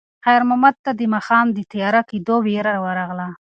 خیر محمد ته د ماښام د تیاره کېدو وېره ورغله.